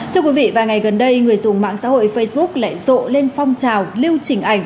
thưa quý vị vài ngày gần đây người dùng mạng xã hội facebook lại rộ lên phong trào lưu chỉnh ảnh